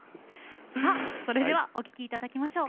さあそれではお聴き頂きましょう。